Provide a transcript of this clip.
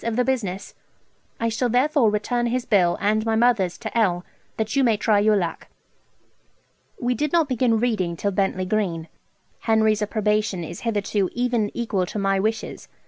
of the business. I shall therefore return his bill, and my mother's 2_l_., that you may try your luck. We did not begin reading till Bentley Green. Henry's approbation is hitherto even equal to my wishes.